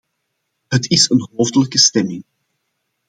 Het is een hoofdelijke stemming.